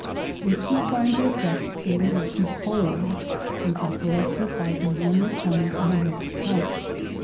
If you find the effect a little too cold, you can correct it by a GRASS. 75 warmer tone in the next touch.